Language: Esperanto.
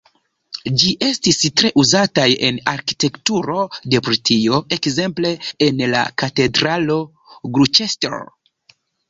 Ĝi estis tre uzataj en arkitekturo de Britio, ekzemple en la Katedralo Gloucester.